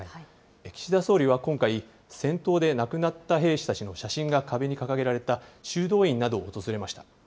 岸田総理は今回、戦闘で亡くなった兵士たちの写真が壁に掲げられた修道院などを訪れました。